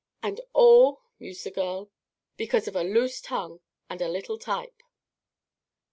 "And all," mused the girl, "because of a loose tongue and a little type!"